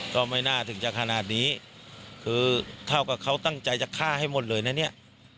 ก็ไม่น่าถึงจะขนาดนี้คือเท่ากับเขาตั้งใจจะฆ่าให้หมดเลยนะเนี่ย